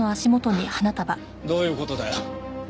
どういう事だよ？